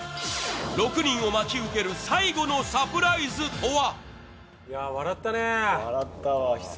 ６人を待ち受ける最後のサプライズとは？